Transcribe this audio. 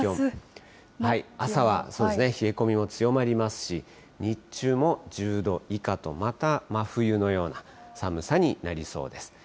朝はそうですね、冷え込みも強まりますし、日中も１０度以下と、また真冬のような寒さになりそうです。